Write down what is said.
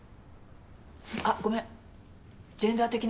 あっごめんジェンダー的なことなら。